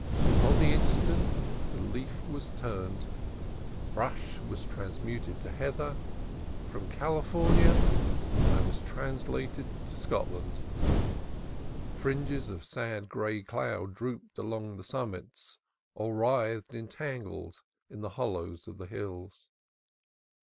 On the in stant the leaf was turned, brush was transmuted to heather, from California I was translated to Scotland. Fringes of sad gray cloud drooped along the sum mits or writhed entangled in the hollows of the hills.